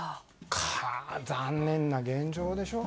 残念な現状でしょ。